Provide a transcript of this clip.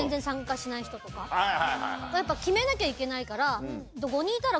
決めなきゃいけないから。